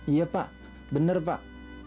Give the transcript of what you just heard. iya pak bener pak